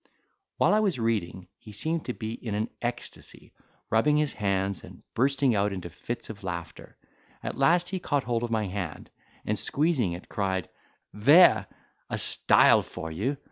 While I was reading, he seemed to be in an ecstasy, rubbing his hands, and bursting out into fits of laughter; at last he caught hold of my hand, and squeezing it, cried, "There—a style for you!